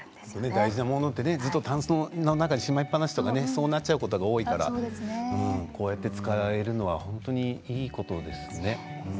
大事なものってずっとたんすの中にしまいっぱなしということが多いからこうやって使われるのはいいことですね。